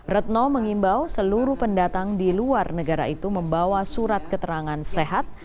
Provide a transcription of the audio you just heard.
retno mengimbau seluruh pendatang di luar negara itu membawa surat keterangan sehat